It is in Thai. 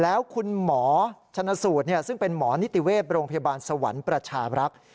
แล้วคุณหมอชนสูตรซึ่งเป็นหมอนิติเวศโรงพยาบาลสวรรค์ประชารักษ์